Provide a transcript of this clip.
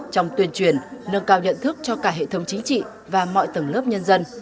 trong tuyên truyền nâng cao nhận thức cho cả hệ thống chính trị và mọi tầng lớp nhân dân